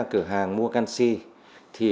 cửa hàng mua canxi thì